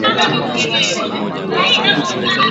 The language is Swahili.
ally salum aliwasaliti wanafunzi wenzake kwenye mgomo huo